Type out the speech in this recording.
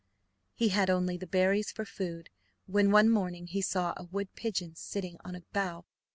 He had only the berries for food, when, one morning, he saw a wood pigeon sitting on a bough.